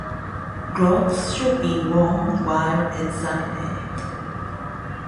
Gloves should be worn while examining it.